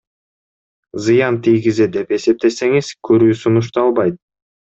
Зыян тийгизет деп эсептесеңиз, көрүү сунушталбайт.